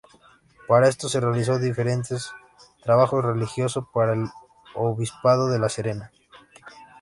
Para esto realizó diferentes trabajos religioso para el obispado de La Serena.